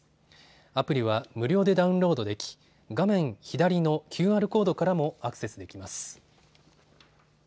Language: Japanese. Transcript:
アプリは無料でダウンロードでき、画面左のＱＲコードからもアクセスできます。